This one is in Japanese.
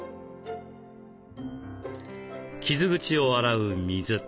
傷口を洗う水。